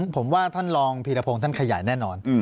ผมว่าท่านรองพีรพงศ์ท่านขยายแน่นอน